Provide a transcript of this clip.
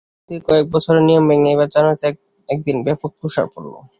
অতীতের কয়েক বছরের নিয়ম ভেঙে এবার জানুয়ারিতে একদিন ব্যাপক তুষার পড়ল।